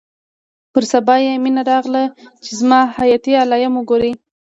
پر سبا يې مينه راغله چې زما حياتي علايم وګوري.